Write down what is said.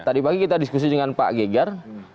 tadi pagi kita diskusi dengan pak geger